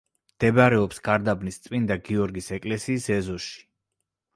მდებარეობს გარბანის წმინდა გიორგის ეკლესიის ეზოში.